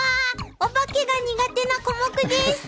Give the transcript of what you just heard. お化けが苦手なコモクです。